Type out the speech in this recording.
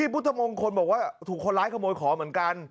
พุทธมงคลบอกว่าถูกคนร้ายขโมยของเหมือนกัน